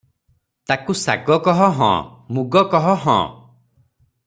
ତାକୁଶାଗ କହ ହଁ, ମୁଗ କହ ହଁ ।